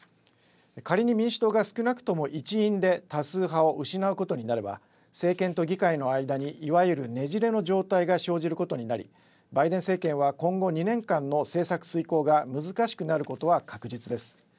仮に民主党が少なくとも１院で多数派を失うことになれば政権と議会の間にいわゆるねじれの状態が生じることになりバイデン政権は今後２年間の政策遂行が難しくなることは確実です。